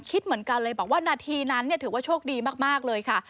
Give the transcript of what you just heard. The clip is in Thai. คิดเหมือนกันเลยบอกว่านาทีนั้นถือว่าโชคดีมากเลยค่ะ